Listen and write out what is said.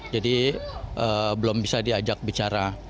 jadi belum bisa diajak bicara